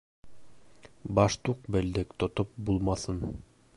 - Баштуҡ белдек тотоп булмаҫын.